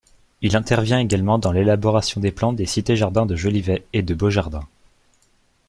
Il intervient également dans l'élaboration des plans des cités-jardins de Jolivet et de Beaujardin.